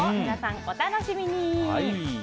皆さん、お楽しみに。